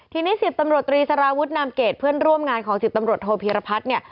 ทีนี้๑๐ตำรวจตรีสารวุฒนามเกตเพื่อนร่วมงานของ๑๐ตำรวจโทพีรพัฒน์เนี่ย